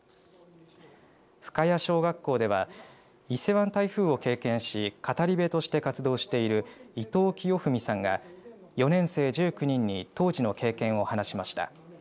深谷小学校では伊勢湾台風を経験し語り部として活動している伊藤清文さんが４年生１９人に当時の経験を話しました。